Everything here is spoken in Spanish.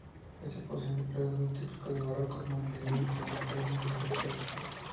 Ésta posee rasgos típicos del barroco madrileño, como las características orejeras.